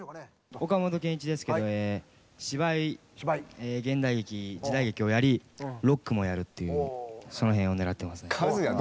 岡本健一ですけど芝居現代劇時代劇をやりロックもやるというその辺を狙ってますね。